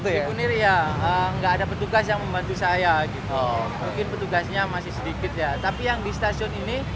sikunir iya gak ada petugas yang membantu saya gitu mungkin petugasnya masih sedikit ya tapi yang di stasiun ini